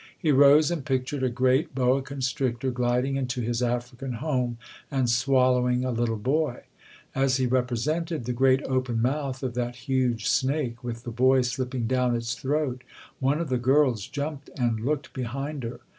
He rose and pictured a great boa constrictor gliding into his African home and swallowing a little boy. As he represented the great open mouth of that huge snake with the boy slipping down its throat, one of the girls jumped and looked behind her.